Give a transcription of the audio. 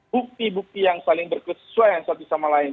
bukti bukti yang saling berkesesuaian satu sama lain